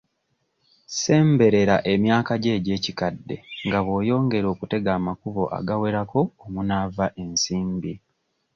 Ssemberera emyaka gyo egy'ekikadde nga bw'oyongera okutega amakubo agawerako omunaava ensimbi.